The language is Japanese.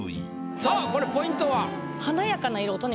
さあこれポイントは？